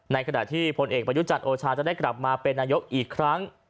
ขณะที่พลเอกประยุจันทร์โอชาจะได้กลับมาเป็นนายกอีกครั้ง